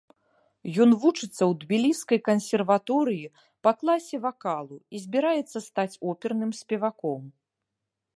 Ён вучыцца ў тбіліскай кансерваторыі па класе вакалу, і збіраецца стаць оперным спеваком.